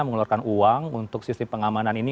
mengeluarkan uang untuk sistem pengamanan ini